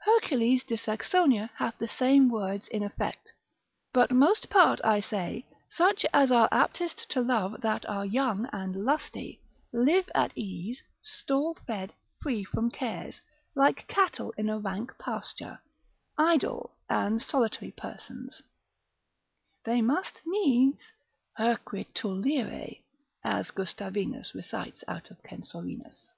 Hercules de Saxonia hath the same words in effect. But most part I say, such as are aptest to love that are young and lusty, live at ease, stall fed, free from cares, like cattle in a rank pasture, idle and solitary persons, they must needs hirquitullire, as Guastavinius recites out of Censorinus.